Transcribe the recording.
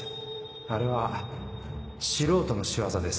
あれは素人の仕業です